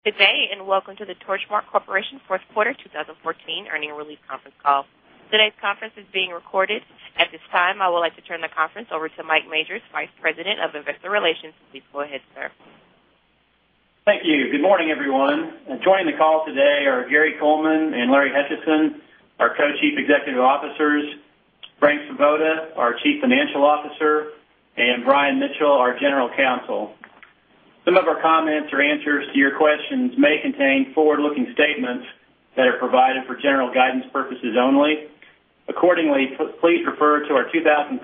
Good day, welcome to the Torchmark Corporation fourth quarter 2014 earnings release conference call. Today's conference is being recorded. At this time, I would like to turn the conference over to Mike Majors, Vice President of Investor Relations. Please go ahead, sir. Thank you. Good morning, everyone. Joining the call today are Gary Coleman and Larry Hutchison, our Co-Chief Executive Officers, Frank Svoboda, our Chief Financial Officer, and Brian Mitchell, our General Counsel. Some of our comments or answers to your questions may contain forward-looking statements that are provided for general guidance purposes only. Accordingly, please refer to our 2013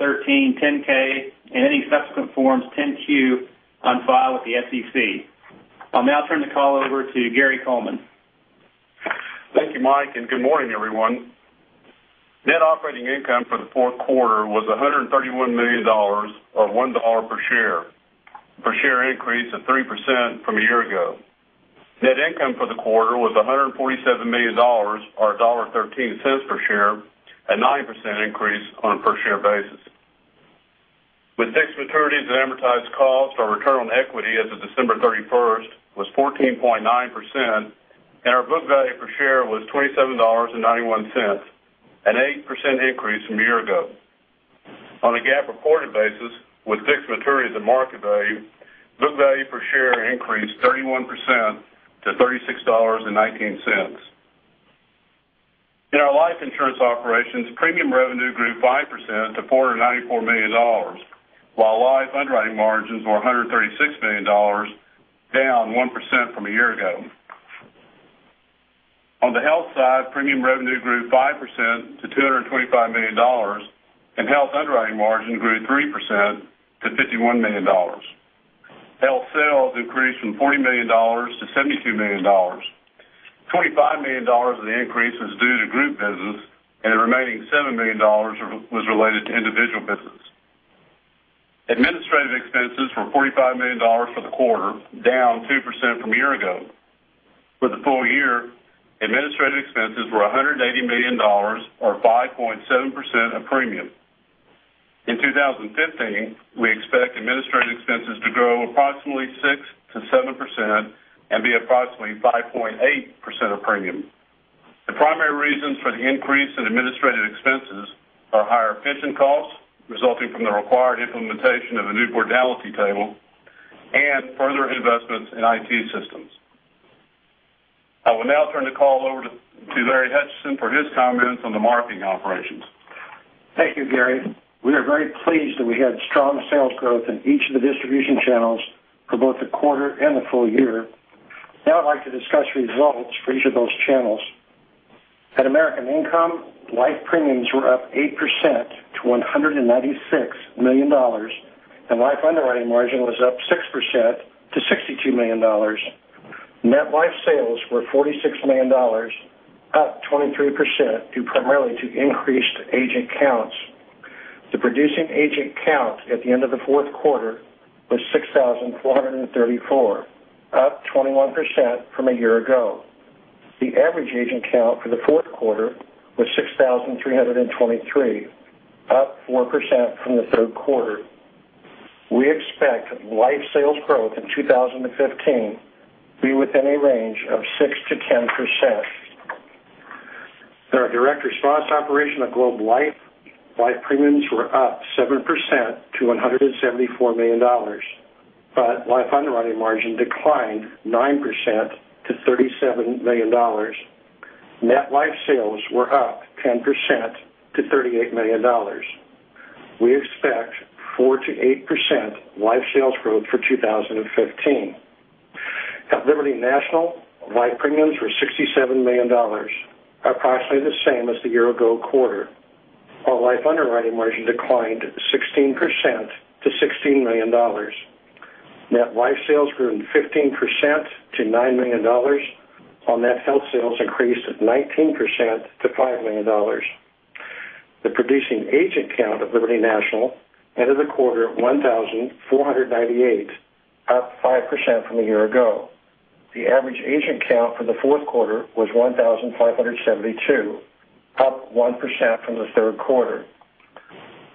10-K and any subsequent forms, 10-Q, on file with the SEC. I'll now turn the call over to Gary Coleman. Thank you, Mike, good morning, everyone. Net operating income for the fourth quarter was $131 million, or $1 per share, a per share increase of 3% from a year ago. Net income for the quarter was $147 million, or $1.13 per share, a 9% increase on a per share basis. With fixed maturities and amortized costs, our return on equity as of December 31st was 14.9%, and our book value per share was $27.91, an 8% increase from a year ago. On a GAAP-reported basis with fixed maturities and market value, book value per share increased 31% to $36.19. In our life insurance operations, premium revenue grew 5% to $494 million, while life underwriting margins were $136 million, down 1% from a year ago. On the health side, premium revenue grew 5% to $225 million, and health underwriting margin grew 3% to $51 million. Health sales increased from $40 million to $72 million. $25 million of the increase was due to group business, and the remaining $7 million was related to individual business. Administrative expenses were $45 million for the quarter, down 2% from a year ago. For the full year, administrative expenses were $180 million, or 5.7% of premium. In 2015, we expect administrative expenses to grow approximately 6%-7% and be approximately 5.8% of premium. The primary reasons for the increase in administrative expenses are higher pension costs resulting from the required implementation of a new mortality table and further investments in IT systems. I will now turn the call over to Larry Hutchison for his comments on the marketing operations. Thank you, Gary. We are very pleased that we had strong sales growth in each of the distribution channels for both the quarter and the full year. Now I'd like to discuss results for each of those channels. At American Income Life, premiums were up 8% to $196 million, and life underwriting margin was up 6% to $62 million. Net life sales were $46 million, up 23% due primarily to increased agent counts. The producing agent count at the end of the fourth quarter was 6,434, up 21% from a year ago. The average agent count for the fourth quarter was 6,323, up 4% from the third quarter. We expect life sales growth in 2015 to be within a range of 6%-10%. At our direct response operation at Globe Life, life premiums were up 7% to $174 million. Life underwriting margin declined 9% to $37 million. Net life sales were up 10% to $38 million. We expect 4%-8% life sales growth for 2015. At Liberty National, life premiums were $67 million, approximately the same as the year-ago quarter. Our life underwriting margin declined 16% to $16 million. Net life sales grew 15% to $9 million, while net health sales increased 19% to $5 million. The producing agent count at Liberty National ended the quarter at 1,498, up 5% from a year ago. The average agent count for the fourth quarter was 1,572, up 1% from the third quarter.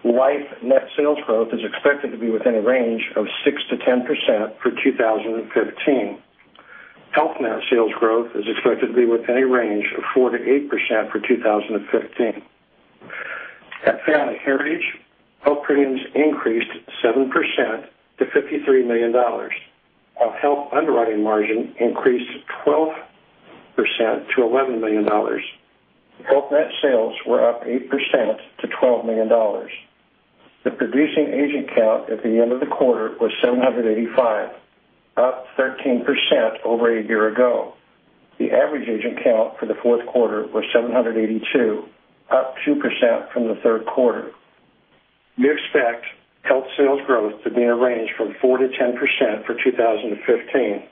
Life net sales growth is expected to be within a range of 6%-10% for 2015. Health net sales growth is expected to be within a range of 4%-8% for 2015. At Family Heritage, health premiums increased 7% to $53 million, while health underwriting margin increased 12% to $11 million. Health net sales were up 8% to $12 million. The producing agent count at the end of the quarter was 785, up 13% over a year ago. The average agent count for the fourth quarter was 782, up 2% from the third quarter. We expect health sales growth to be in a range from 4%-10% for 2015.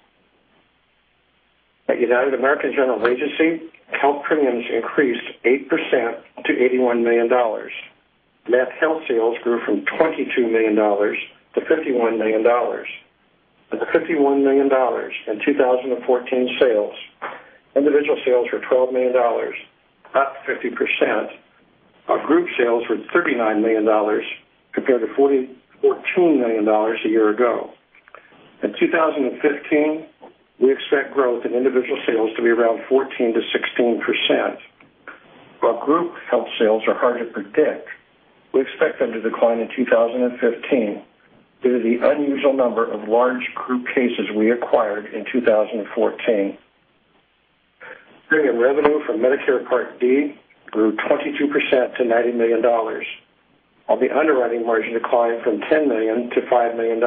At United American General Agency, health premiums increased 8% to $81 million. Net health sales grew from $22 million to $51 million. Of the $51 million in 2014 sales, individual sales were $12 million, up 50%. Our group sales were $39 million compared to $14 million a year ago. In 2015, we expect growth in individual sales to be around 14%-16%, while group health sales are hard to predict. We expect them to decline in 2015 due to the unusual number of large group cases we acquired in 2014. Premium revenue from Medicare Part D grew 22% to $90 million, while the underwriting margin declined from $10 million to $5 million.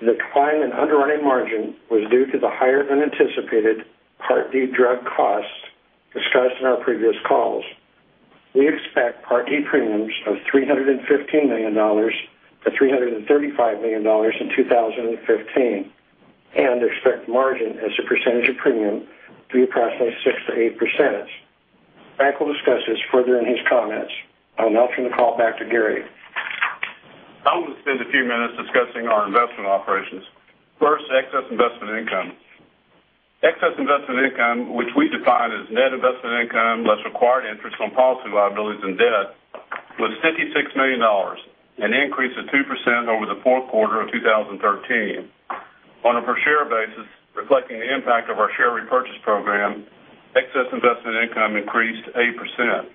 The decline in underwriting margin was due to the higher-than-anticipated Part D drug costs discussed in our previous calls. We expect Part D premiums of $315 million-$335 million in 2015 and expect margin as a percentage of premium to be approximately 6%-8%. Frank will discuss this further in his comments. I'll now turn the call back to Gary. I will spend a few minutes discussing our investment operations. First, excess investment income. Excess investment income, which we define as net investment income, less required interest on policy liabilities and debt, was $56 million, an increase of 2% over the fourth quarter of 2013. On a per share basis, reflecting the impact of our share repurchase program, excess investment income increased 8%.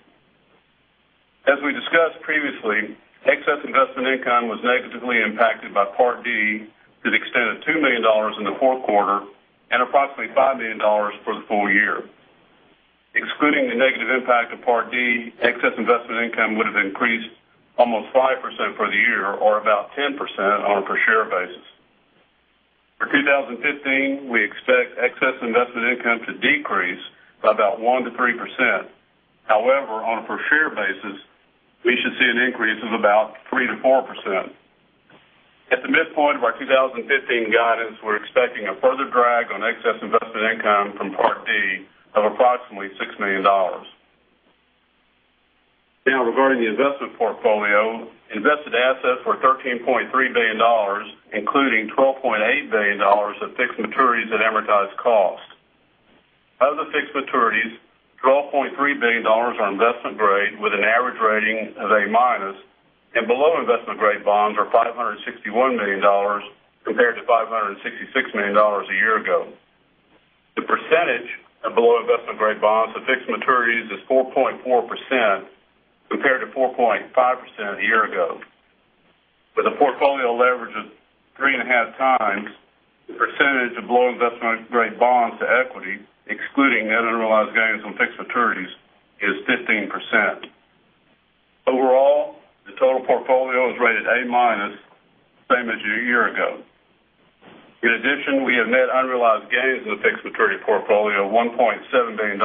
As we discussed previously, excess investment income was negatively impacted by Part D to the extent of $2 million in the fourth quarter and approximately $5 million for the full year. Excluding the negative impact of Part D, excess investment income would've increased almost 5% for the year, or about 10% on a per share basis. For 2015, we expect excess investment income to decrease by about 1% to 3%. However, on a per share basis, we should see an increase of about 3% to 4%. At the midpoint of our 2015 guidance, we're expecting a further drag on excess investment income from Part D of approximately $6 million. Regarding the investment portfolio, invested assets were $13.3 billion, including $12.8 billion of fixed maturities at amortized cost. Of the fixed maturities, $12.3 billion are investment grade with an average rating of A-minus, and below investment-grade bonds are $561 million compared to $566 million a year ago. The percentage of below investment-grade bonds to fixed maturities is 4.4%, compared to 4.5% a year ago. With a portfolio leverage of 3.5x, the percentage of below investment-grade bonds to equity, excluding net unrealized gains on fixed maturities, is 15%. Overall, the total portfolio is rated A-minus, same as a year ago. In addition, we have net unrealized gains in the fixed maturity portfolio of $1.7 billion,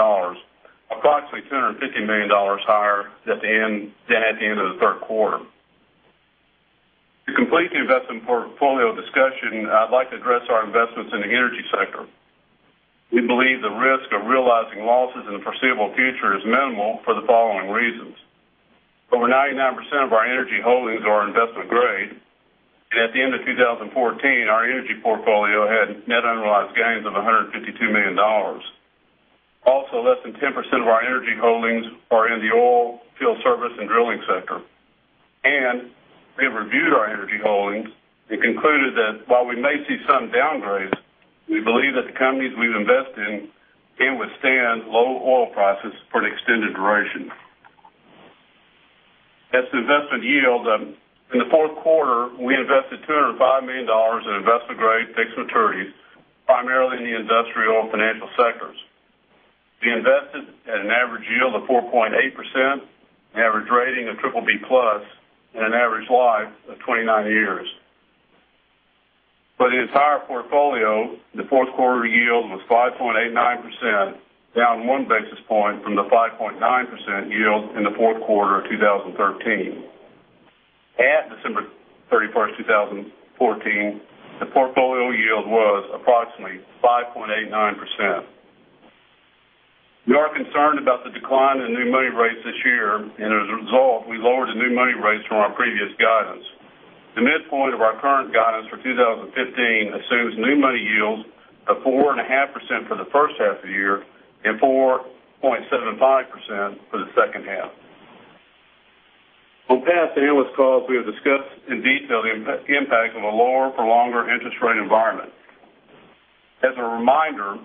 approximately $250 million higher than at the end of the third quarter. To complete the investment portfolio discussion, I'd like to address our investments in the energy sector. We believe the risk of realizing losses in the foreseeable future is minimal for the following reasons: Over 99% of our energy holdings are investment grade, and at the end of 2014, our energy portfolio had net unrealized gains of $152 million. Less than 10% of our energy holdings are in the oil, field service, and drilling sector. We have reviewed our energy holdings and concluded that while we may see some downgrades, we believe that the companies we've invested in can withstand low oil prices for an extended duration. As to investment yield, in the fourth quarter, we invested $205 million in investment-grade fixed maturities, primarily in the industrial financial sectors. We invested at an average yield of 4.8%, an average rating of BBB-plus, and an average life of 29 years. For the entire portfolio, the fourth quarter yield was 5.89%, down one basis point from the 5.9% yield in the fourth quarter of 2013. At December 31st, 2014, the portfolio yield was approximately 5.89%. We are concerned about the decline in new money rates this year. As a result, we lowered the new money rates from our previous guidance. The midpoint of our current guidance for 2015 assumes new money yields of 4.5% for the first half of the year and 4.75% for the second half. On past analyst calls, we have discussed in detail the impact of a lower, for longer interest rate environment. As a reminder,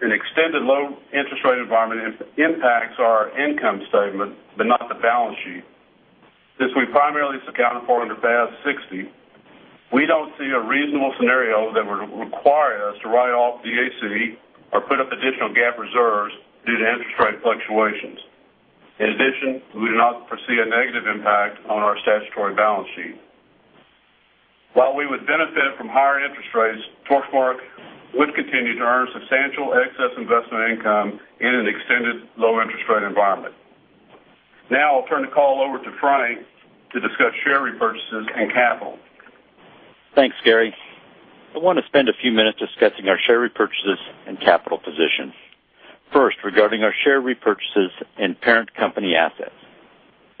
an extended low interest rate environment impacts our income statement but not the balance sheet. Since we primarily account for under FAS 60, we don't see a reasonable scenario that would require us to write off DAC or put up additional GAAP reserves due to interest rate fluctuations. In addition, we do not foresee a negative impact on our statutory balance sheet. While we would benefit from higher interest rates, Torchmark would continue to earn substantial excess investment income in an extended low interest rate environment. I'll turn the call over to Frank to discuss share repurchases and capital. Thanks, Gary. I want to spend a few minutes discussing our share repurchases and capital position. Regarding our share repurchases and parent company assets.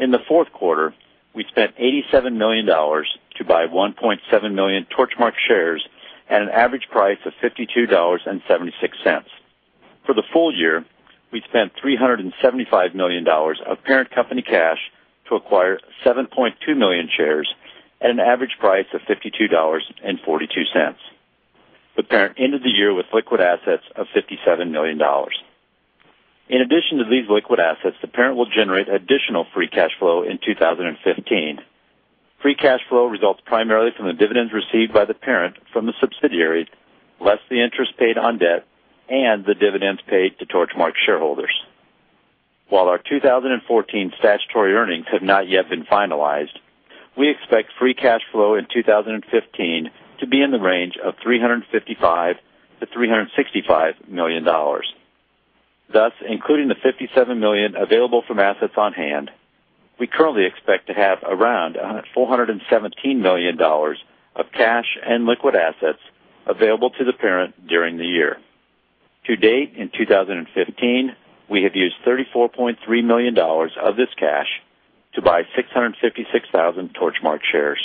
In the fourth quarter, we spent $87 million to buy 1.7 million Torchmark shares at an average price of $52.76. For the full year, we spent $375 million of parent company cash to acquire 7.2 million shares at an average price of $52.42. The parent ended the year with liquid assets of $57 million. In addition to these liquid assets, the parent will generate additional free cash flow in 2015. Free cash flow results primarily from the dividends received by the parent from the subsidiaries, less the interest paid on debt and the dividends paid to Torchmark shareholders. While our 2014 statutory earnings have not yet been finalized, we expect free cash flow in 2015 to be in the range of $355 million-$365 million. Thus, including the $57 million available from assets on hand, we currently expect to have around $417 million of cash and liquid assets available to the parent during the year. To date, in 2015, we have used $34.3 million of this cash to buy 656,000 Torchmark shares.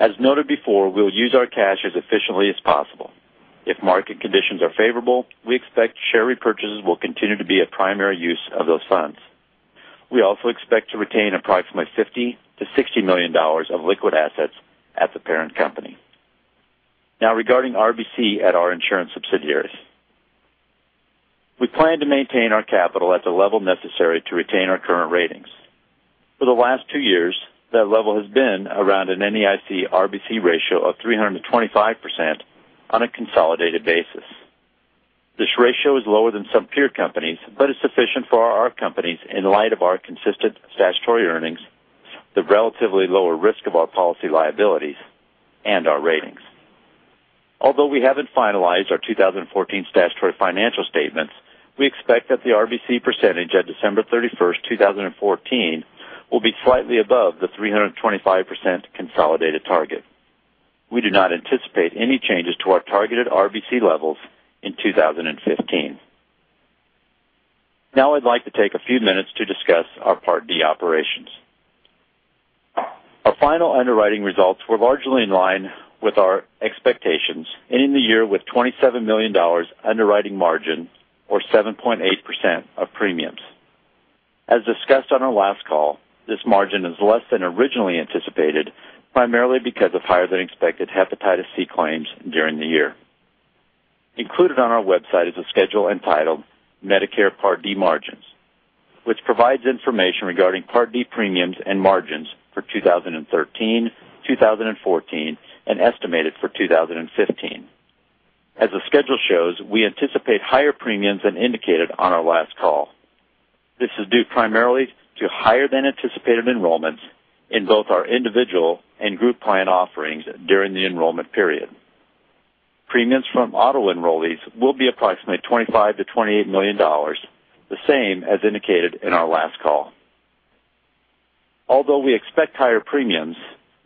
As noted before, we'll use our cash as efficiently as possible. If market conditions are favorable, we expect share repurchases will continue to be a primary use of those funds. We also expect to retain approximately $50 million-$60 million of liquid assets at the parent company. Regarding RBC at our insurance subsidiaries. We plan to maintain our capital at the level necessary to retain our current ratings. For the last two years, that level has been around an NAIC RBC ratio of 325% on a consolidated basis. This ratio is lower than some peer companies, but is sufficient for our companies in light of our consistent statutory earnings, the relatively lower risk of our policy liabilities, and our ratings. Although we haven't finalized our 2014 statutory financial statements, we expect that the RBC percentage at December 31st, 2014, will be slightly above the 325% consolidated target. We do not anticipate any changes to our targeted RBC levels in 2015. I'd like to take a few minutes to discuss our Part D operations. Our final underwriting results were largely in line with our expectations, ending the year with $27 million underwriting margin or 7.8% of premiums. As discussed on our last call, this margin is less than originally anticipated, primarily because of higher than expected Hepatitis C claims during the year. Included on our website is a schedule entitled Medicare Part D Margins, which provides information regarding Part D premiums and margins for 2013, 2014, and estimated for 2015. As the schedule shows, we anticipate higher premiums than indicated on our last call. This is due primarily to higher than anticipated enrollments in both our individual and group plan offerings during the enrollment period. Premiums from auto enrollees will be approximately $25 million-$28 million, the same as indicated in our last call. Although we expect higher premiums,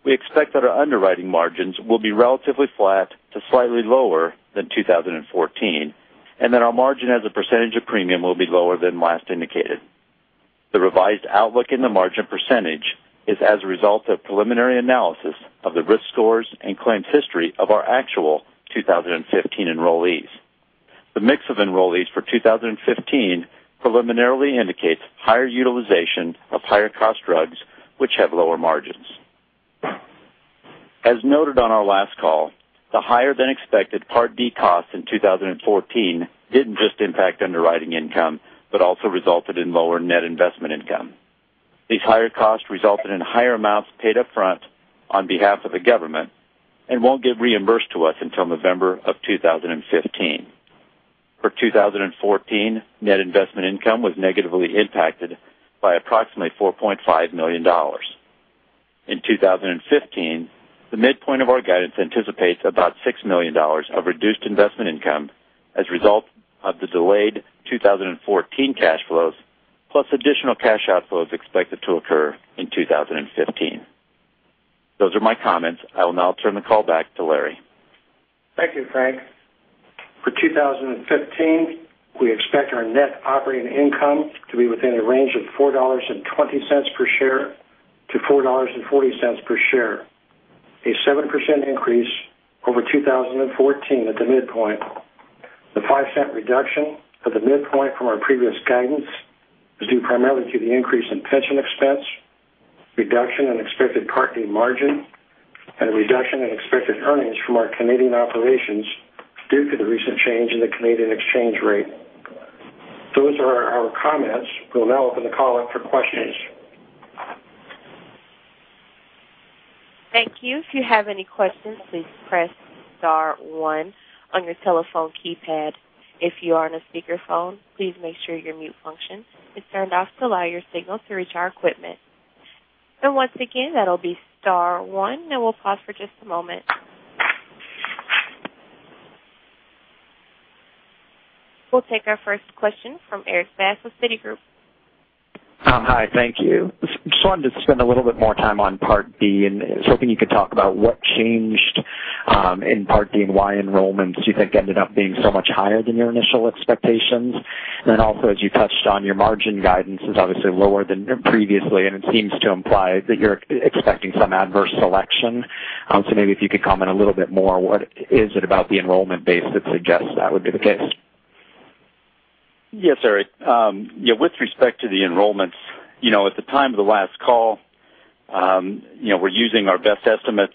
we expect that our underwriting margins will be relatively flat to slightly lower than 2014, and that our margin as a % of premium will be lower than last indicated. The revised outlook in the margin % is as a result of preliminary analysis of the risk scores and claims history of our actual 2015 enrollees. The mix of enrollees for 2015 preliminarily indicates higher utilization of higher cost drugs, which have lower margins. As noted on our last call, the higher than expected Part D costs in 2014 didn't just impact underwriting income, but also resulted in lower net investment income. These higher costs resulted in higher amounts paid up front on behalf of the government and won't get reimbursed to us until November of 2015. For 2014, net investment income was negatively impacted by approximately $4.5 million. In 2015, the midpoint of our guidance anticipates about $6 million of reduced investment income as a result of the delayed 2014 cash flows, plus additional cash outflows expected to occur in 2015. Those are my comments. I will now turn the call back to Larry. Thank you, Frank. For 2015, we expect our net operating income to be within a range of $4.20 per share-$4.40 per share, a 7% increase over 2014 at the midpoint. The $0.05 reduction at the midpoint from our previous guidance is due primarily to the increase in pension expense, reduction in expected Part D margin, and a reduction in expected earnings from our Canadian operations due to the recent change in the Canadian exchange rate. Those are our comments. We'll now open the call up for questions. Thank you. If you have any questions, please press star one on your telephone keypad. If you are on a speakerphone, please make sure your mute function is turned off to allow your signal to reach our equipment. Once again, that'll be star one, and we'll pause for just a moment. We'll take our first question from Erik Bass with Citigroup. Hi, thank you. Just wanted to spend a little bit more time on Part D. Was hoping you could talk about what changed in Part D and why enrollments, do you think, ended up being so much higher than your initial expectations? Also, as you touched on, your margin guidance is obviously lower than previously, and it seems to imply that you're expecting some adverse selection. Maybe if you could comment a little bit more, what is it about the enrollment base that suggests that would be the case? Yes, sir. With respect to the enrollments, at the time of the last call, we're using our best estimates,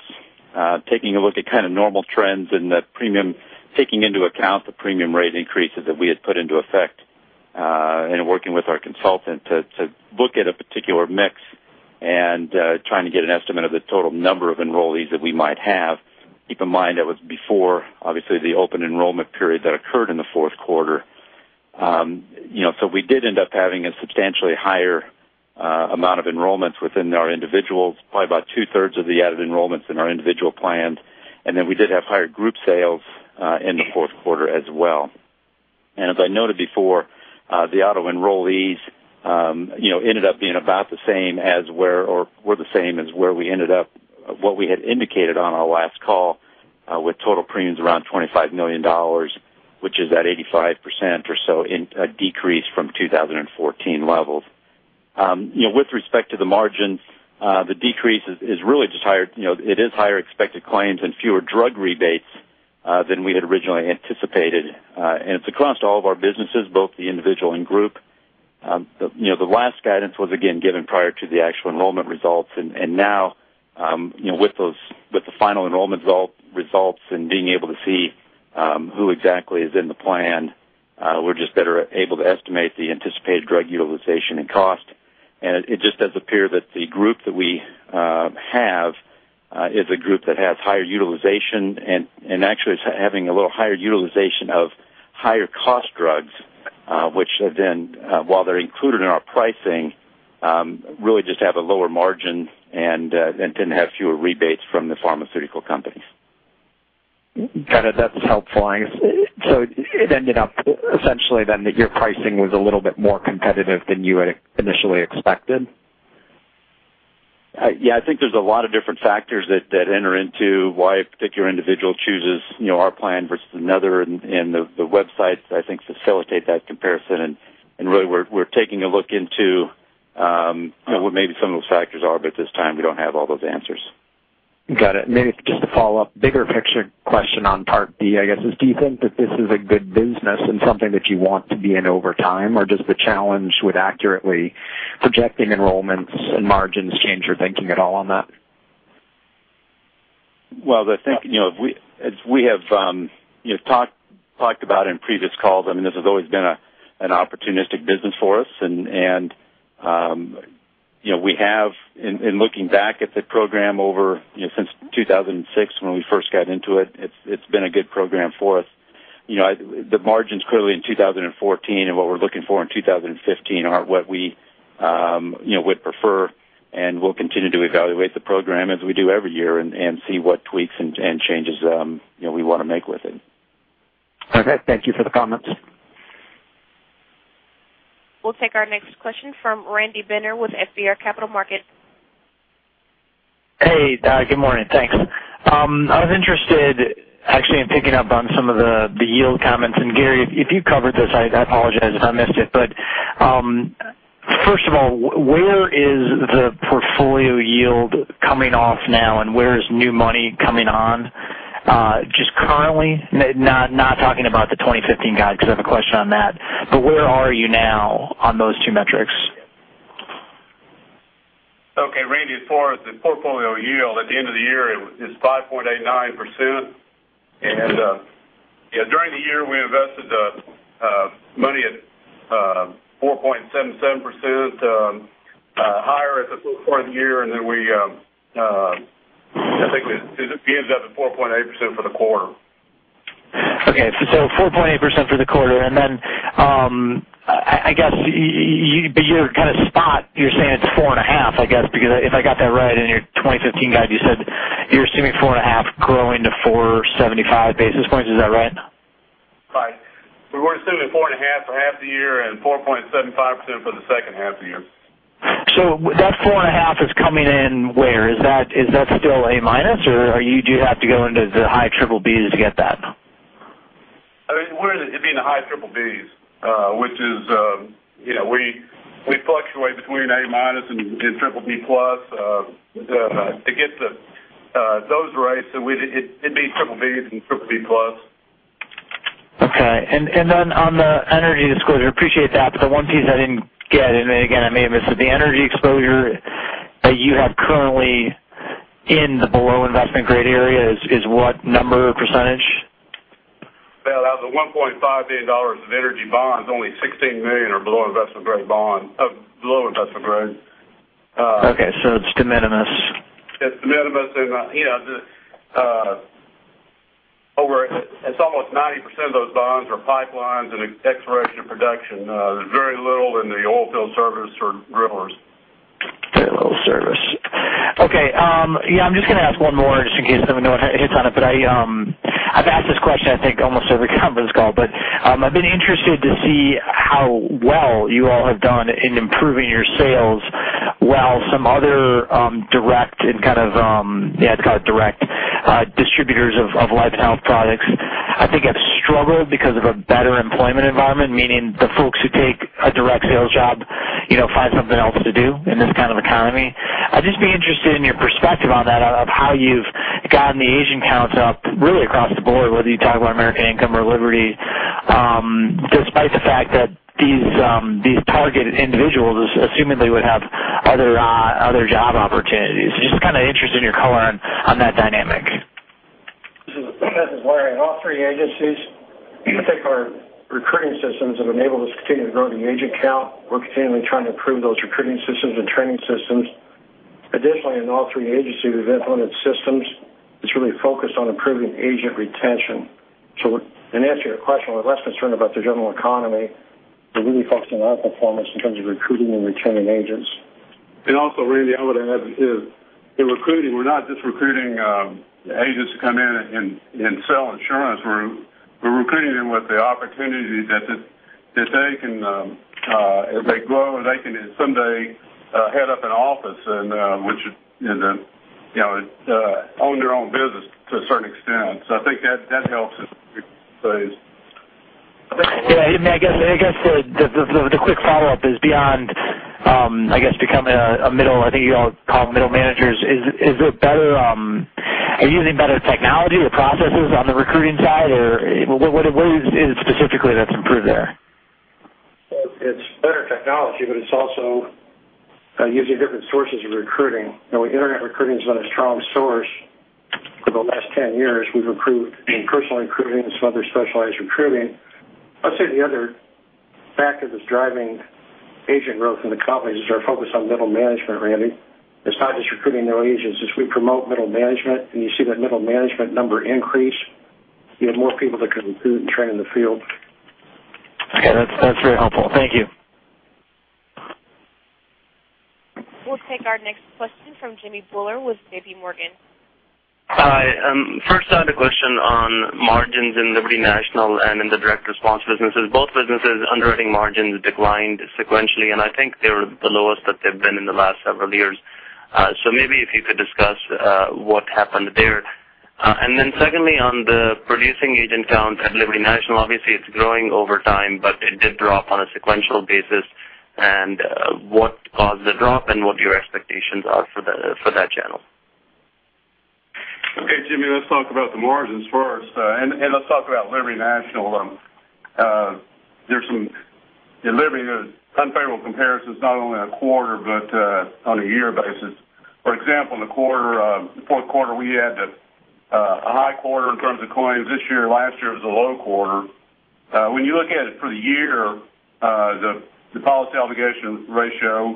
taking a look at kind of normal trends in the premium, taking into account the premium rate increases that we had put into effect, and working with our consultant to look at a particular mix and trying to get an estimate of the total number of enrollees that we might have. Keep in mind, that was before, obviously, the open enrollment period that occurred in the fourth quarter. We did end up having a substantially higher amount of enrollments within our individuals, probably about two-thirds of the added enrollments in our individual plans. We did have higher group sales in the fourth quarter as well. As I noted before, the auto enrollees ended up being about the same as where, or were the same as where we ended up, what we had indicated on our last call, with total premiums around $25 million, which is at 85% or so in a decrease from 2014 levels. With respect to the margin, the decrease is really just higher expected claims and fewer drug rebates than we had originally anticipated. It's across all of our businesses, both the individual and group. The last guidance was again given prior to the actual enrollment results. Now, with the final enrollment results and being able to see who exactly is in the plan, we're just better able to estimate the anticipated drug utilization and cost. It just does appear that the group that we have is a group that has higher utilization and actually is having a little higher utilization of higher cost drugs, which then, while they're included in our pricing, really just have a lower margin and tend to have fewer rebates from the pharmaceutical companies. Got it. That's helpful. It ended up essentially then that your pricing was a little bit more competitive than you had initially expected? Yeah, I think there's a lot of different factors that enter into why a particular individual chooses our plan versus another. The websites, I think, facilitate that comparison, and really we're taking a look into what maybe some of those factors are, but at this time, we don't have all those answers. Got it. Maybe just to follow up, bigger picture question on Part D, I guess is, do you think that this is a good business and something that you want to be in over time? Does the challenge with accurately projecting enrollments and margins change your thinking at all on that? Well, as we have talked about in previous calls, I mean, this has always been an opportunistic business for us. In looking back at the program over since 2006, when we first got into it's been a good program for us. The margins clearly in 2014 and what we're looking for in 2015 aren't what we would prefer, and we'll continue to evaluate the program as we do every year and see what tweaks and changes we want to make with it. Perfect. Thank you for the comments. We'll take our next question from Randy Binner with FBR Capital Markets. Hey. Good morning. Thanks. I was interested actually in picking up on some of the yield comments. Gary, if you covered this, I apologize if I missed it. First of all, where is the portfolio yield coming off now, and where is new money coming on? Just currently, not talking about the 2015 guide, because I have a question on that, but where are you now on those two metrics? Okay, Randy, as far as the portfolio yield at the end of the year, it's 5.89%. During the year, we invested money at 4.77%, higher at the fourth of the year. I think it ends up at 4.8% for the quarter. Okay. 4.8% for the quarter, and then I guess your kind of spot, you're saying it's 4.5%, I guess, because if I got that right in your 2015 guide, you said you're assuming 4.5% growing to 475 basis points. Is that right? Right. We're assuming 4.5% for half the year and 4.75% for the second half of the year. That 4.5% is coming in where? Is that still A minus, or you do have to go into the high triple Bs to get that? I mean, it'd be in the high triple Bs. We fluctuate between A minus and triple B plus. To get those rates, it'd be triple Bs and triple B plus. Okay. Then on the energy disclosure, appreciate that, the one piece I didn't get, again, I may have missed it, the energy exposure that you have currently in the below investment grade area is what number or percentage? That was a $1.5 billion of energy bonds. Only $16 million are below investment grade. Okay. It's de minimis. It's de minimis in that it's almost 90% of those bonds are pipelines and exploration production. There's very little in the oil field service or drillers. Okay. I'm just going to ask one more just in case someone hits on it, but I've asked this question I think almost every conference call. I've been interested to see how well you all have done in improving your sales while some other direct distributors of life and health products, I think, have struggled because of a better employment environment, meaning the folks who take a direct sales job find something else to do in this kind of economy. I'd just be interested in your perspective on that, of how you've gotten the agent counts up really across the board, whether you talk about American Income or Liberty, despite the fact that these targeted individuals assumedly would have other job opportunities. Just kind of interested in your color on that dynamic. This is Larry. In all three agencies, I think our recruiting systems have enabled us to continue to grow the agent count. We're continually trying to improve those recruiting systems and training systems. Additionally, in all three agencies, we've implemented systems that's really focused on improving agent retention. In answering your question, we're less concerned about the general economy, but really focused on our performance in terms of recruiting and retaining agents. Also, Randy, I would add is in recruiting, we're not just recruiting agents to come in and sell insurance. We're recruiting them with the opportunity that they can, as they grow, they can someday head up an office and own their own business to a certain extent. I think that helps in recruiting phase. Yeah. I guess the quick follow-up is beyond becoming a middle, I think you all call middle managers. Are you using better technology or processes on the recruiting side, or what is it specifically that's improved there? It's better technology, it's also using different sources of recruiting. Internet recruiting has been a strong source for the last 10 years. We've improved in personal recruiting and some other specialized recruiting. I'd say the other factor that's driving agent growth in the companies is our focus on middle management, Randy. It's not just recruiting new agents. As we promote middle management, and you see that middle management number increase, you have more people that can recruit and train in the field. Okay. That's very helpful. Thank you. We'll take our next question from Jimmy Bhullar with JPMorgan. Hi. First, I had a question on margins in Liberty National and in the direct response businesses. Both businesses' underwriting margins declined sequentially, I think they're the lowest that they've been in the last several years. Maybe if you could discuss what happened there. Then secondly, on the producing agent count at Liberty National, obviously it's growing over time, but it did drop on a sequential basis. What caused the drop and what your expectations are for that channel? Okay, Jimmy, let's talk about the margins first. Let's talk about Liberty National. Liberty has unfavorable comparisons not only on a quarter but on a year basis. For example, in the fourth quarter, we had a high quarter in terms of claims this year. Last year was a low quarter. When you look at it for the year, the policy obligation ratio,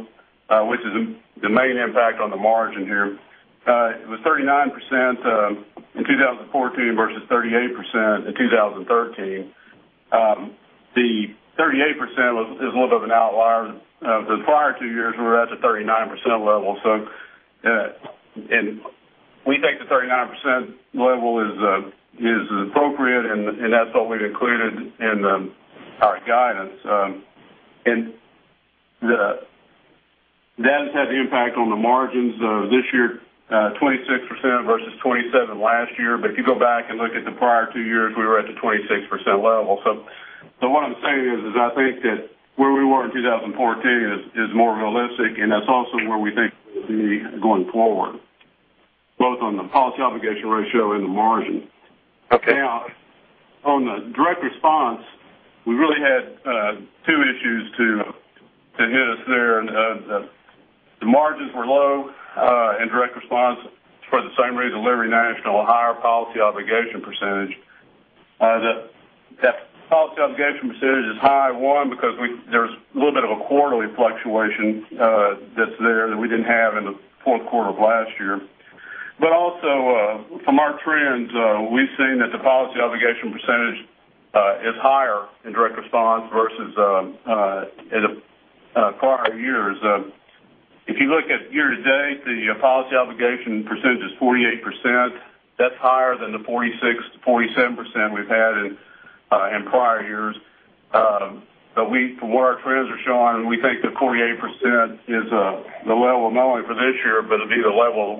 which is the main impact on the margin here, it was 39% in 2014 versus 38% in 2013. The 38% is a little bit of an outlier. The prior two years, we were at the 39% level. We think the 39% level is appropriate, and that's what we've included in our guidance. That has had the impact on the margins this year, 26% versus 27% last year. If you go back and look at the prior two years, we were at the 26% level. What I'm saying is I think that where we were in 2014 is more realistic, and that's also where we think we'll be going forward, both on the policy obligation ratio and the margin. Okay. On the direct response, we really had two issues to hit us there. The margins were low in direct response for the same reason, Liberty National, a higher policy obligation percentage. That policy obligation percentage is high, one, because there's a little bit of a quarterly fluctuation that's there that we didn't have in the fourth quarter of last year. Also, from our trends, we've seen that the policy obligation percentage is higher in direct response versus in prior years. If you look at year to date, the policy obligation percentage is 48%. That's higher than the 46%-47% we've had in prior years. From what our trends are showing, we think that 48% is the level not only for this year, but it'll be the level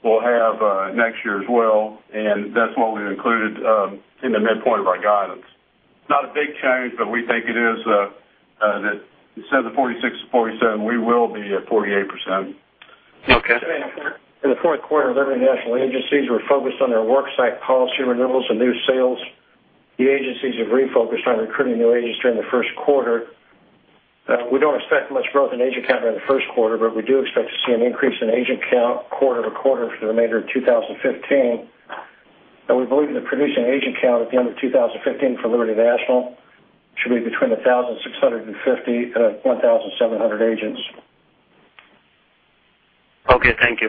we'll have next year as well, and that's what we've included in the midpoint of our guidance. Not a big change, we think it is that instead of the 46%-47%, we will be at 48%. Okay. In the fourth quarter, Liberty National agencies were focused on their worksite policy renewals and new sales. The agencies have refocused on recruiting new agents during the first quarter. We don't expect much growth in agent count during the first quarter, but we do expect to see an increase in agent count quarter to quarter for the remainder of 2015. We believe the producing agent count at the end of 2015 for Liberty National should be between 1,650 to 1,700 agents. Okay. Thank you.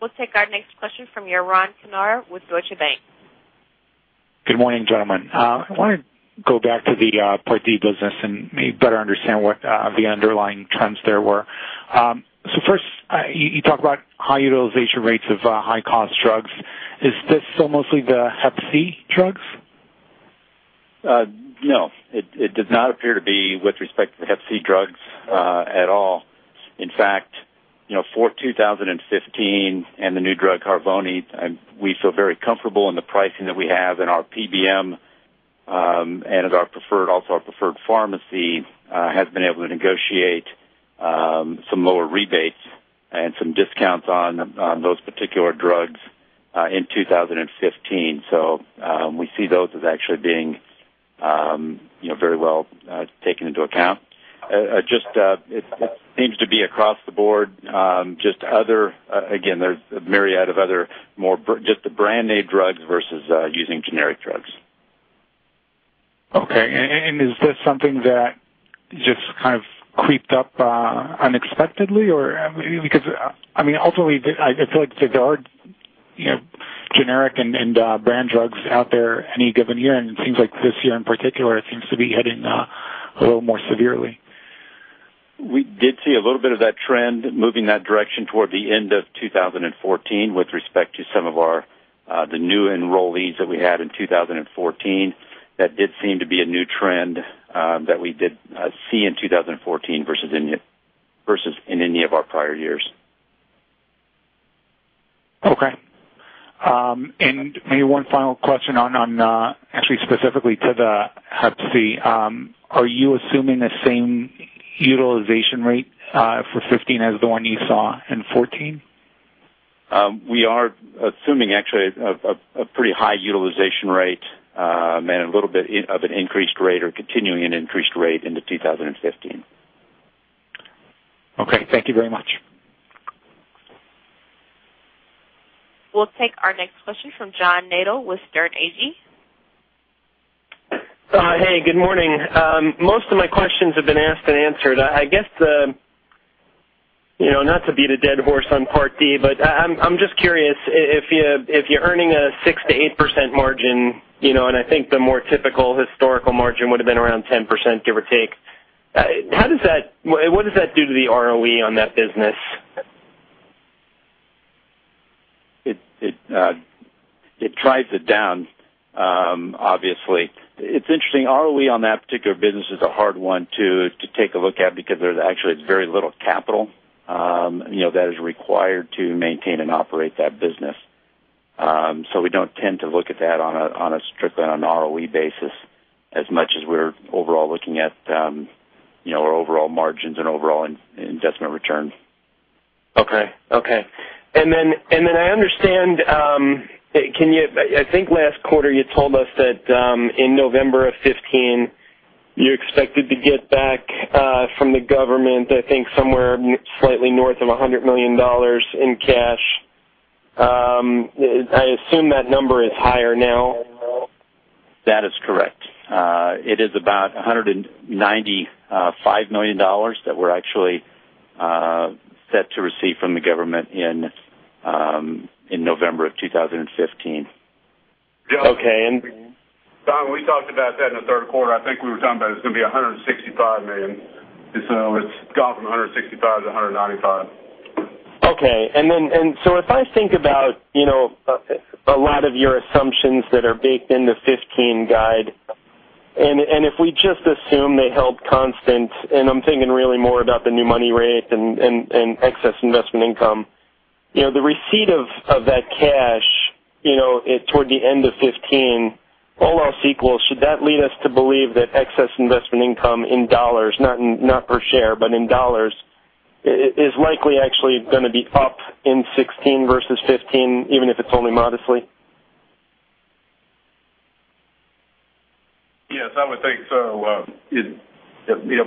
We'll take our next question from Yaron Kinar with Deutsche Bank. Good morning, gentlemen. I want to go back to the Part D business and maybe better understand what the underlying trends there were. First, you talk about high utilization rates of high-cost drugs. Is this still mostly the Hep C drugs? No, it does not appear to be with respect to the Hep C drugs at all. In fact, for 2015 and the new drug Harvoni, we feel very comfortable in the pricing that we have in our PBM, and also our preferred pharmacy has been able to negotiate some lower rebates and some discounts on those particular drugs in 2015. We see those as actually being very well taken into account. It seems to be across the board, just other, again, there's a myriad of other brand name drugs versus using generic drugs. Okay. Is this something that just kind of creeped up unexpectedly? Because, ultimately, I feel like there are generic and brand drugs out there any given year, and it seems like this year in particular, it seems to be hitting a little more severely. We did see a little bit of that trend moving that direction toward the end of 2014 with respect to some of the new enrollees that we had in 2014. That did seem to be a new trend that we did see in 2014 versus in any of our prior years. Okay. Maybe one final question on, actually specifically to the Hep C. Are you assuming the same utilization rate for 2015 as the one you saw in 2014? We are assuming actually a pretty high utilization rate, and a little bit of an increased rate or continuing an increased rate into 2015. Okay. Thank you very much. We'll take our next question from John Nadel with Stifel. Hey, good morning. Most of my questions have been asked and answered. I guess, not to beat a dead horse on Part D, but I'm just curious, if you're earning a 6%-8% margin, and I think the more typical historical margin would've been around 10%, give or take. What does that do to the ROE on that business? It drives it down, obviously. It's interesting, ROE on that particular business is a hard one to take a look at because there's actually very little capital that is required to maintain and operate that business. We don't tend to look at that on a strictly on an ROE basis as much as we're overall looking at our overall margins and overall investment returns. Okay. I understand, I think last quarter you told us that in November of 2015, you expected to get back from the government, I think somewhere slightly north of $100 million in cash. I assume that number is higher now. That is correct. It is about $195 million that we're actually set to receive from the government in November of 2015. Okay. John, when we talked about that in the third quarter, I think we were talking about it was going to be $165 million. It's gone from $165 to $195. Okay. If I think about a lot of your assumptions that are baked in the 2015 guide, if we just assume they held constant, I'm thinking really more about the new money rate and excess investment income. The receipt of that cash toward the end of 2015, all else equal, should that lead us to believe that excess investment income in dollars, not per share, but in dollars, is likely actually going to be up in 2016 versus 2015, even if it's only modestly? Yes, I would think so.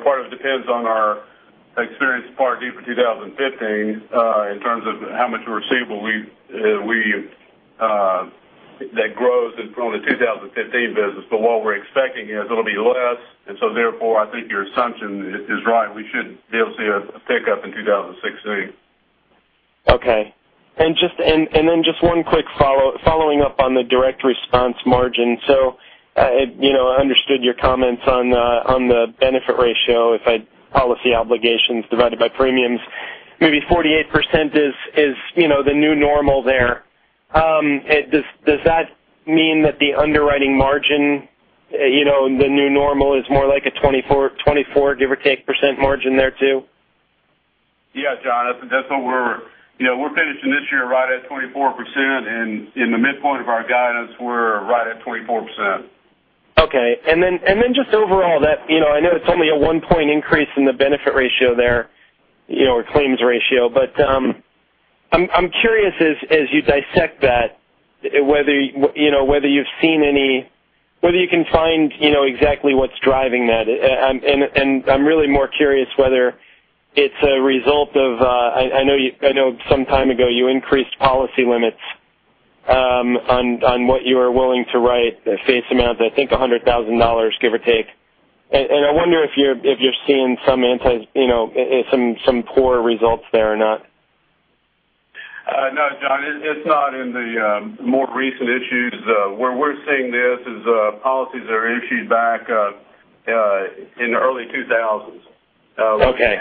Part of it depends on our experience with Part D for 2015, in terms of how much receivable that grows from the 2015 business. What we're expecting is it'll be less, therefore, I think your assumption is right. We should be able to see a pickup in 2016. Okay. Just one quick following up on the direct response margin. I understood your comments on the benefit ratio, policy obligations divided by premiums. Maybe 48% is the new normal there. Does that mean that the underwriting margin, the new normal is more like a 24, give or take, % margin there too? Yeah, John. We're finishing this year right at 24%. In the midpoint of our guidance, we're right at 24%. Okay. Then just overall, I know it's only a 1-point increase in the benefit ratio there, or claims ratio. I'm curious as you dissect that, whether you can find exactly what's driving that. I'm really more curious whether it's a result of, I know some time ago you increased policy limits On what you are willing to write, the face amount, I think $100,000, give or take. I wonder if you're seeing some poor results there or not. No, John, it's not in the more recent issues. Where we're seeing this is policies that are issued back in the early 2000s. Okay.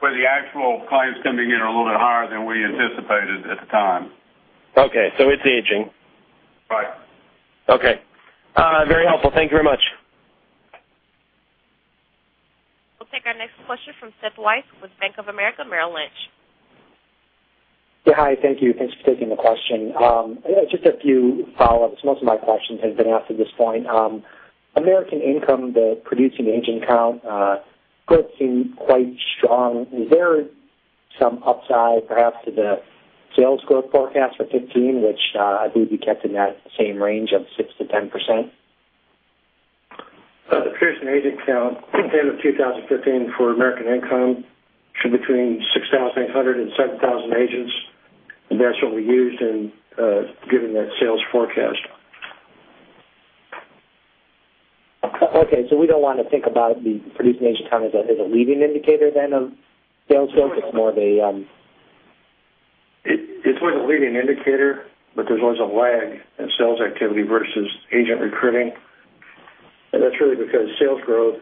Where the actual claims coming in are a little bit higher than we anticipated at the time. Okay. It's aging. Right. Okay. Very helpful. Thank you very much. We'll take our next question from Seth Weiss with Bank of America Merrill Lynch. Yeah. Hi, thank you. Thanks for taking the question. Just a few follow-ups. Most of my questions have been asked at this point. American Income, the producing agent count growth seemed quite strong. Is there some upside, perhaps, to the sales growth forecast for 2015, which I believe you kept in that same range of 6%-10%? The producing agent count at the end of 2015 for American Income should be between 6,800 and 7,000 agents. That's what we used in giving that sales forecast. Okay. We don't want to think about the producing agent count as a leading indicator, then, of sales growth. It's more of a leading indicator, but there's always a lag in sales activity versus agent recruiting. That's really because sales growth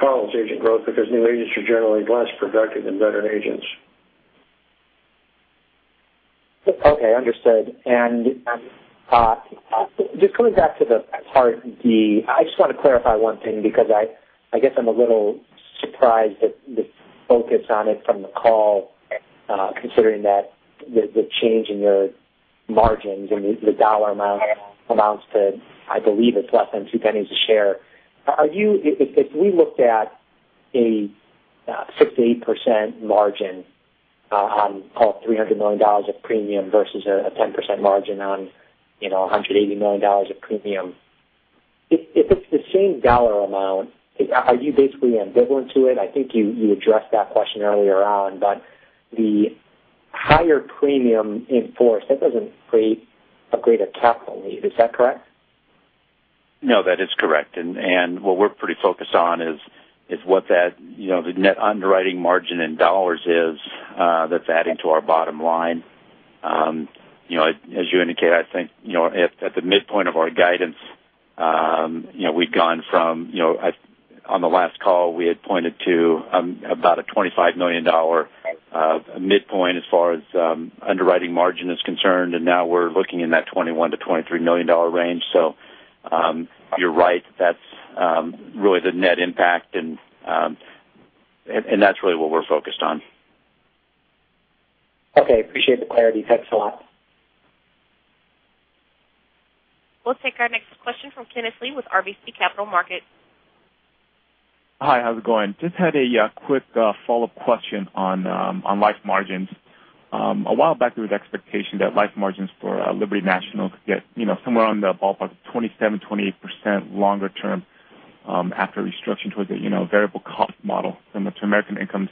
follows agent growth because new agents are generally less productive than veteran agents. Okay. Understood. Just coming back to the Part D, I just want to clarify one thing because I guess I'm a little surprised at the focus on it from the call, considering that the change in your margins and the dollar amounts to, I believe it's less than $0.02 a share. If we looked at a 6%-8% margin on $300 million of premium versus a 10% margin on $180 million of premium, if it's the same dollar amount, are you basically ambivalent to it? I think you addressed that question earlier on. The higher premium enforced, that doesn't create a greater capital need. Is that correct? No, that is correct. What we're pretty focused on is what the net underwriting margin in dollars is that's adding to our bottom line. As you indicate, I think at the midpoint of our guidance we've gone from on the last call we had pointed to about a $25 million midpoint as far as underwriting margin is concerned, and now we're looking in that $21 million-$23 million range. You're right. That's really the net impact, and that's really what we're focused on. Okay. Appreciate the clarity. Thanks a lot. We'll take our next question from Kenneth Lee with RBC Capital Markets. Hi. How's it going? Just had a quick follow-up question on life margins. A while back, there was expectation that life margins for Liberty National could get somewhere in the ballpark of 27%, 28% longer term after restructuring towards a variable cost model similar to American Income's.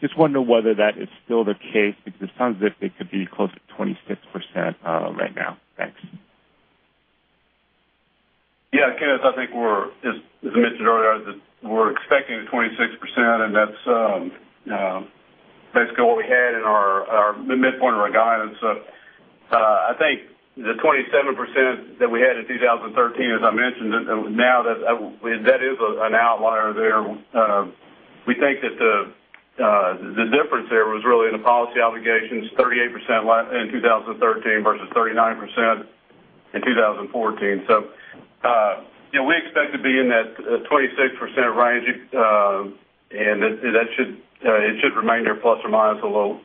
Just wonder whether that is still the case because it sounds as if it could be closer to 26% right now. Thanks. Yeah, Kenneth, I think we're, as I mentioned earlier, we're expecting the 26%, and that's basically what we had in the midpoint of our guidance. I think the 27% that we had in 2013, as I mentioned, now that is an outlier there. We think that the difference there was really in the policy obligations, 38% in 2013 versus 39% in 2014. We expect to be in that 26% range, and it should remain there plus or minus a little.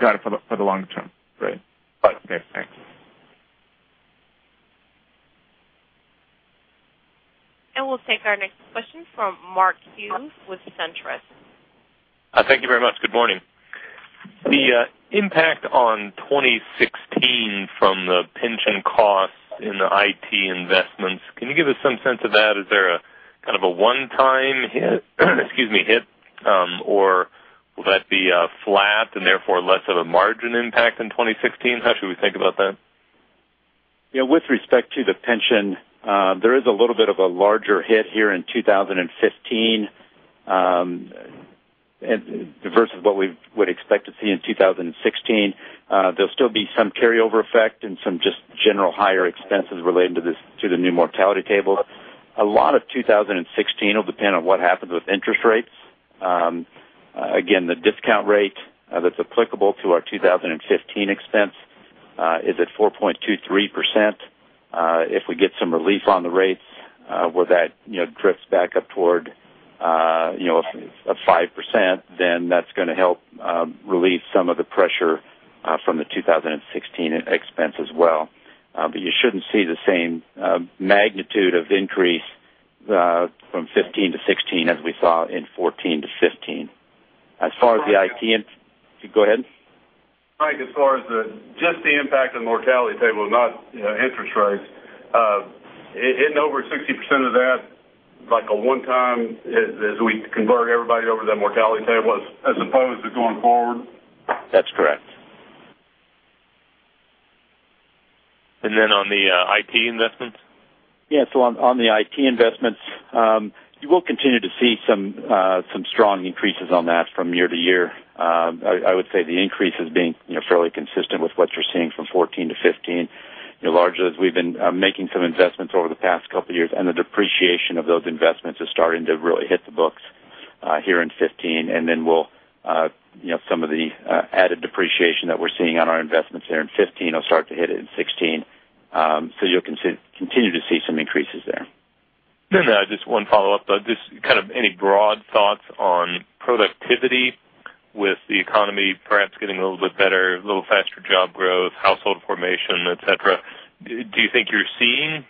Got it for the long term. Great. Right. Okay, thanks. We'll take our next question from Mark Hughes with SunTrust. Thank you very much. Good morning. The impact on 2016 from the pension costs in the IT investments, can you give us some sense of that? Is there a kind of a one-time hit, or will that be flat and therefore less of a margin impact in 2016? How should we think about that? With respect to the pension, there is a little bit of a larger hit here in 2015 versus what we would expect to see in 2016. There'll still be some carryover effect and some just general higher expenses related to the new mortality table. A lot of 2016 will depend on what happens with interest rates. Again, the discount rate that's applicable to our 2015 expense is at 4.23%. If we get some relief on the rates where that drifts back up toward 5%, that's going to help relieve some of the pressure from the 2016 expense as well. You shouldn't see the same magnitude of increase from 2015 to 2016 as we saw in 2014 to 2015. As far as the IT. Go ahead. Mike, as far as just the impact of the mortality table, not interest rates, in over 60% of that Like a one time as we convert everybody over to the mortality table as opposed to going forward? That's correct. Then on the IT investments? Yeah. On the IT investments, you will continue to see some strong increases on that from year to year. I would say the increase is being fairly consistent with what you're seeing from 2014 to 2015. Largely, we've been making some investments over the past couple years, and the depreciation of those investments is starting to really hit the books here in 2015, and then some of the added depreciation that we're seeing on our investments there in 2015 will start to hit it in 2016. You'll continue to see some increases there. Just one follow-up. Just any broad thoughts on productivity with the economy perhaps getting a little bit better, a little faster job growth, household formation, et cetera. Do you think you're seeing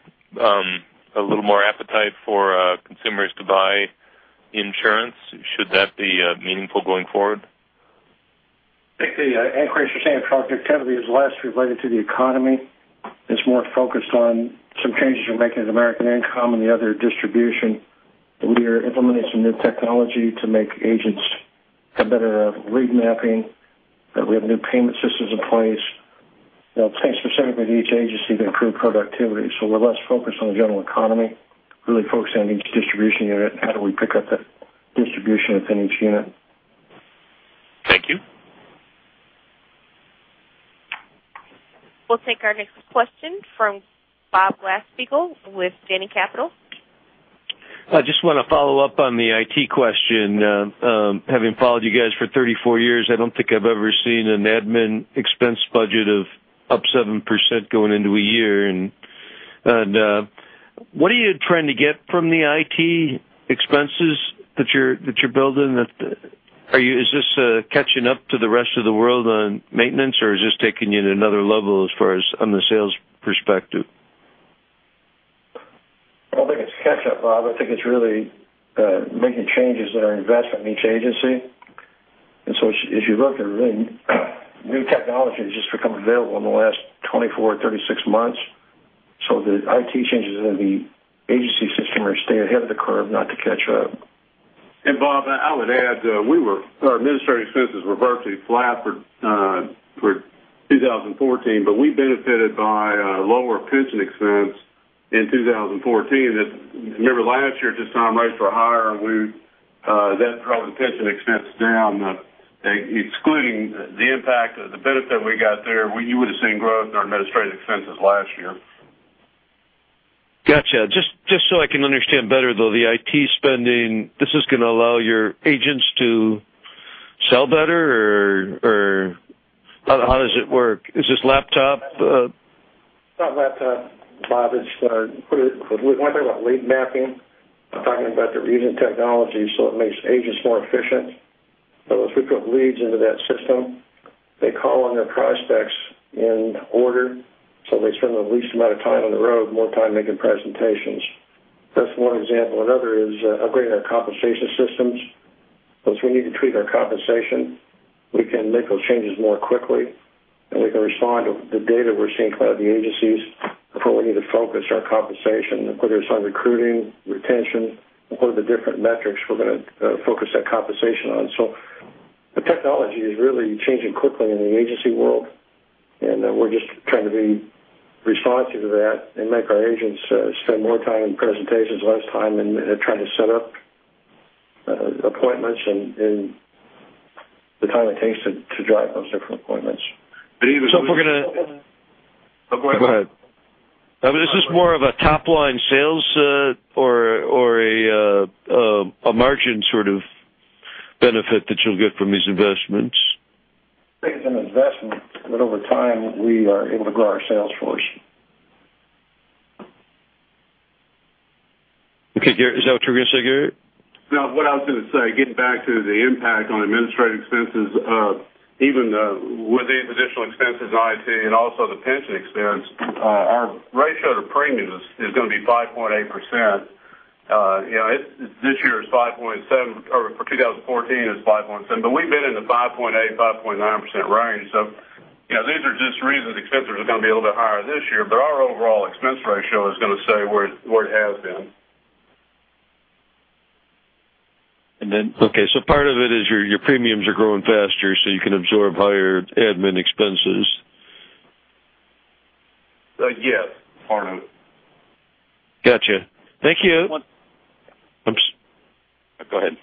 a little more appetite for consumers to buy insurance? Should that be meaningful going forward? I think the increase you're seeing in productivity is less related to the economy. It's more focused on some changes we're making at American Income and the other distribution. We are implementing some new technology to make agents have better lead mapping, that we have new payment systems in place. It takes specifically each agency to improve productivity. We're less focused on the general economy, really focused on each distribution unit and how do we pick up that distribution within each unit. Thank you. We'll take our next question from Bob Glasspiegel with Janney Capital Markets. I just want to follow up on the IT question. Having followed you guys for 34 years, I don't think I've ever seen an admin expense budget of up 7% going into a year. What are you trying to get from the IT expenses that you're building? Is this catching up to the rest of the world on maintenance, or is this taking you to another level as far as on the sales perspective? I don't think it's catch up, Bob. I think it's really making changes that are an investment in each agency. If you look at really new technology that's just become available in the last 24 or 36 months. The IT changes in the agency system are to stay ahead of the curve, not to catch up. Bob, I would add our administrative expenses were virtually flat for 2014, but we benefited by a lower pension expense in 2014 that, remember last year at this time, rates were higher, and that drove the pension expense down. Excluding the impact of the benefit we got there, you would have seen growth in our administrative expenses last year. Got you. Just so I can understand better though, the IT spending, this is going to allow your agents to sell better or how does it work? Is this laptop? It's not laptop, Bob. When I talk about lead mapping, I'm talking about the recent technology, so it makes agents more efficient. As we put leads into that system, they call on their prospects in order, so they spend the least amount of time on the road, more time making presentations. That's one example. Another is upgrading our compensation systems. As we need to tweak our compensation, we can make those changes more quickly, and we can respond to the data we're seeing from the agencies of where we need to focus our compensation, whether it's on recruiting, retention, or what are the different metrics we're going to focus that compensation on. The technology is really changing quickly in the agency world, and we're just trying to be responsive to that and make our agents spend more time in presentations, less time in trying to set up appointments and the time it takes to drive those different appointments. If we're going to- Go ahead. Go ahead. I mean, is this more of a top-line sales or a margin sort of benefit that you'll get from these investments? Think of an investment that over time, we are able to grow our sales force. Okay. Is that what you were going to say, Gary? No. What I was going to say, getting back to the impact on administrative expenses, even with the additional expenses in IT and also the pension expense, our ratio to premiums is going to be 5.8%. For 2014, it was 5.7, but we've been in the 5.8, 5.9% range. These are just reasons expenses are going to be a little bit higher this year, but our overall expense ratio is going to stay where it has been. Okay. Part of it is your premiums are growing faster, so you can absorb higher admin expenses. Yes. Part of it. Got you. Thank you. Go ahead.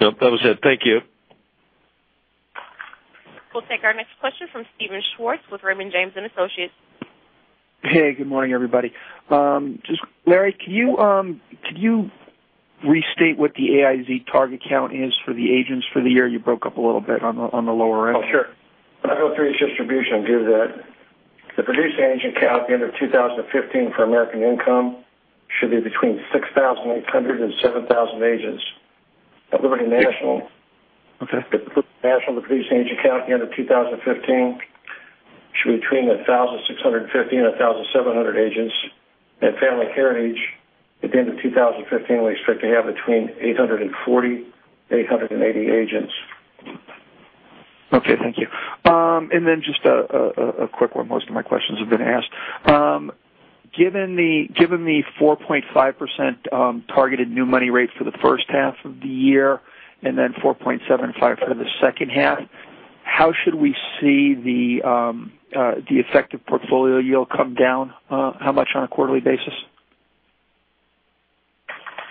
Nope. That was it. Thank you. We'll take our next question from Steven Schwartz with Raymond James & Associates. Hey, good morning, everybody. Larry, could you restate what the AIL's target count is for the agents for the year? You broke up a little bit on the lower end. Sure. I'll go through each distribution and give that. The producing agent count at the end of 2015 for American Income should be between 6,800 and 7,000 agents. Okay. At Liberty National, the producing agent count at the end of 2015 should be between 1,650 and 1,700 agents. At Family Heritage, at the end of 2015, we expect to have between 840-880 agents. Okay, thank you. Just a quick one. Most of my questions have been asked. Given the 4.5% targeted new money rate for the first half of the year and then 4.75% for the second half, how should we see the effective portfolio yield come down? How much on a quarterly basis?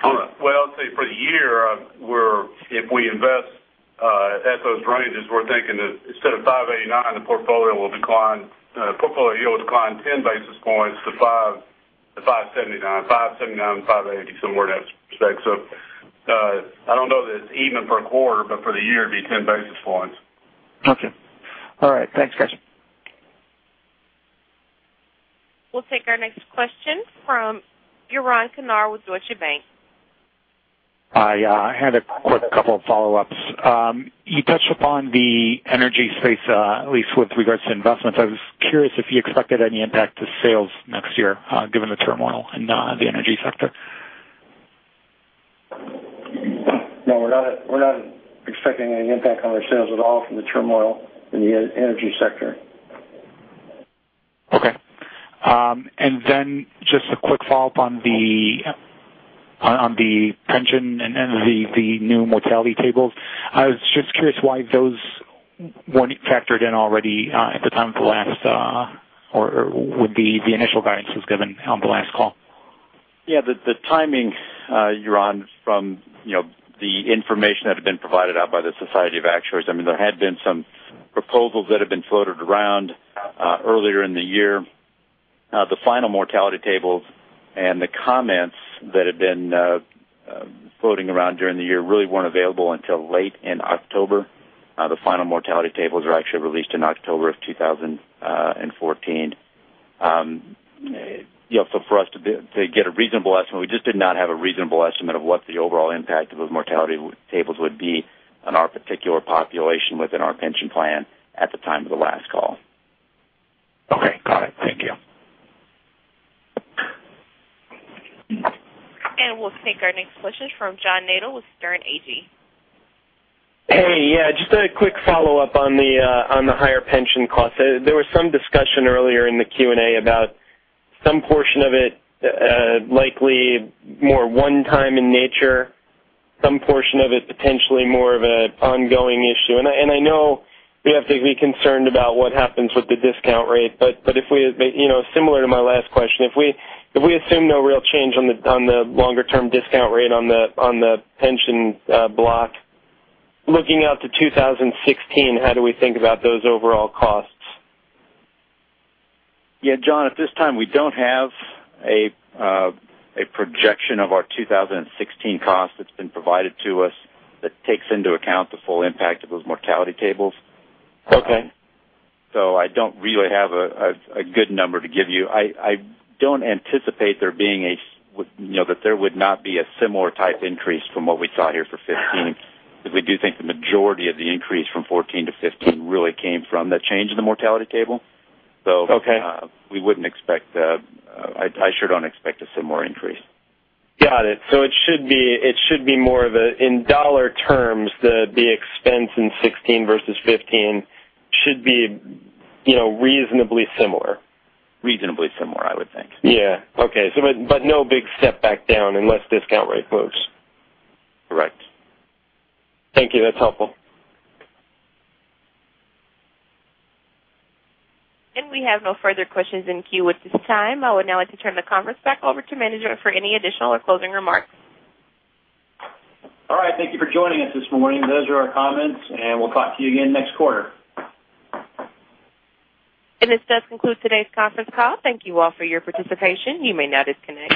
Well, I'll tell you, for the year, if we invest at those ranges, we're thinking that instead of 5.89%, the portfolio yield will decline 10 basis points to 5.79%, 5.80%, somewhere in that respect. I don't know that it's even for a quarter, but for the year, it'd be 10 basis points. Okay. All right. Thanks, guys. We'll take our next question from Yaron Kinar with Deutsche Bank. I had a quick couple of follow-ups. You touched upon the energy space, at least with regards to investments. I was curious if you expected any impact to sales next year, given the turmoil in the energy sector. No, we're not expecting any impact on our sales at all from the turmoil in the energy sector. Okay. Just a quick follow-up on the pension and the new mortality tables. I was just curious why those weren't factored in already at the time of the last or with the initial guidance that was given on the last call. Yeah. The timing, Yaron, from the information that had been provided out by the Society of Actuaries, there had been some proposals that had been floated around earlier in the year. The final mortality tables and the comments that had been floating around during the year really weren't available until late in October. The final mortality tables were actually released in October of 2014. For us to get a reasonable estimate, we just did not have a reasonable estimate of what the overall impact of those mortality tables would be on our particular population within our pension plan at the time of the last call. Okay. Got it. Thank you. We'll take our next question from John Nadel with Sterne Agee. Hey, yeah, just a quick follow-up on the higher pension costs. There was some discussion earlier in the Q&A about some portion of it likely more one time in nature, some portion of it potentially more of an ongoing issue. I know we have to be concerned about what happens with the discount rate. Similar to my last question, if we assume no real change on the longer-term discount rate on the pension block, looking out to 2016, how do we think about those overall costs? Yeah, John, at this time, we don't have a projection of our 2016 cost that's been provided to us that takes into account the full impact of those mortality tables. Okay. I don't really have a good number to give you. I don't anticipate that there would not be a similar type increase from what we saw here for 2015, because we do think the majority of the increase from 2014 to 2015 really came from the change in the mortality table. Okay. We wouldn't expect, I sure don't expect a similar increase. Got it. It should be more of a, in dollar terms, the expense in 2016 versus 2015 should be reasonably similar. Reasonably similar, I would think. Okay. No big step back down unless discount rate moves. Correct. Thank you. That's helpful. We have no further questions in queue at this time. I would now like to turn the conference back over to management for any additional or closing remarks. All right. Thank you for joining us this morning. Those are our comments, and we'll talk to you again next quarter. This does conclude today's conference call. Thank you all for your participation. You may now disconnect.